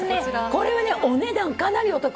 これはね、お値段かなりお得！